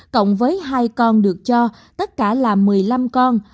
cộng với hai con được cho tất cả là một mươi năm con